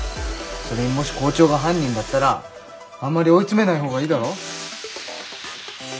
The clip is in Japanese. それにもし校長が犯人だったらあんまり追い詰めない方がいいだろ？